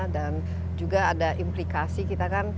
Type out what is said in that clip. dan juga ada implikasi kita kan